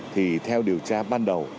thì theo điều tra ban đầu